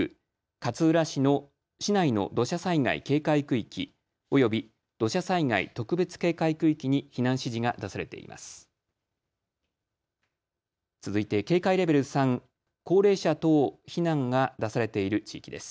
勝浦市の市内の土砂災害警戒区域及び土砂災害特別警戒区域に避難指示が出されています。